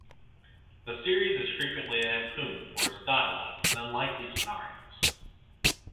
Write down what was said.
The series is frequently lampooned for its dialogue and unlikely scenarios.